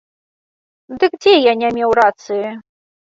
Дык дзе я не меў рацыі?